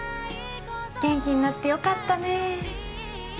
元気になってよかったね